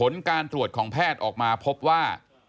ตรวจของแพทย์ออกมาพบว่า